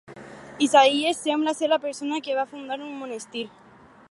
Isaïes sembla ser la persona que va fundar un monestir.